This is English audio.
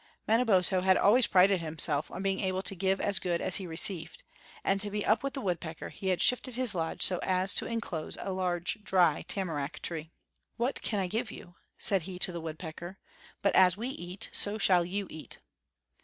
Manabozho had always prided himself on being able to give as good as he had received; and to be up with the woodpecker, he had shifted his lodge so as to inclose a large dry tamarack tree. "What can I give you?" said he to the woodpecker. "But as we eat so shall you eat."